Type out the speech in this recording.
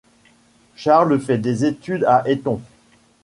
Charles fait des études à Eton.